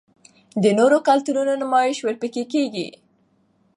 د نورو کلتورونو نمائش ورپکښې کـــــــــــــــــېږي